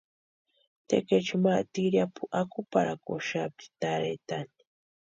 Tekechunha ma tiriapu akuparhakuxapti tarhetani.